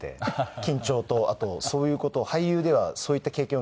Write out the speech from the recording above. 緊張とあとそういう事を俳優ではそういった経験を